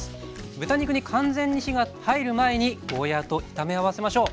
豚肉に完全に火が入る前にゴーヤーと炒め合わせましょう。